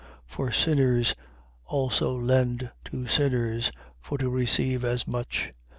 For sinners also lend to sinners, for to receive as much.